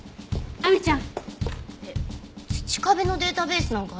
亜美ちゃん！